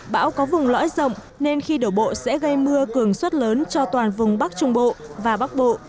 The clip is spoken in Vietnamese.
bão có vùng lõi rộng nên khi đổ bộ sẽ gây mưa cường suất lớn cho toàn vùng bắc trung bộ và bắc bộ